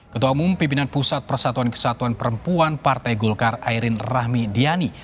ketua umum pimpinan pusat persatuan kesatuan perempuan partai golkar airin rahmi diani